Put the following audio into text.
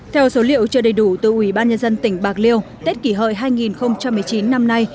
theo số liệu chưa đầy đủ từ ủy ban nhân dân tỉnh bạc liêu tết kỷ hợi hai nghìn một mươi chín năm nay